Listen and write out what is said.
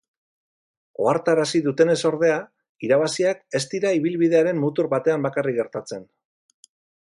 Ohartarazi dutenez, ordea, irabaziak ez dira ibilbidearen mutur batean bakarrik gertatzen.